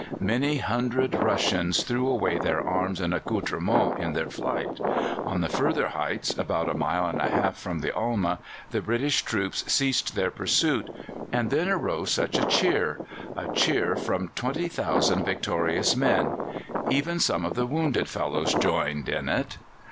Many hundred Russians threw away their arms and accoutrements in their flight. On the further heights, about a mile and a half from the Alma, the British troops ceased their pursuit; and then arose such a cheer a cheer from 20,000 victorious men. Even some of the wounded fellows joined in it.